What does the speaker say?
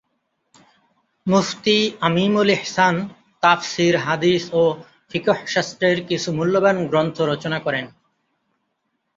মুফতী আমীমুল ইহ্সান তাফসির, হাদীস ও ফিক্হশাস্ত্রের কিছু মূল্যবান গ্রন্থ রচনা করেন।